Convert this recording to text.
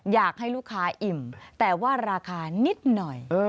อยากให้ลูกค้าอิ่มแต่ว่าราคานิดหน่อย